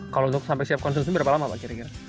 kalau untuk sampai siap konsumsi berapa lama pak